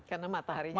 karena matahari turun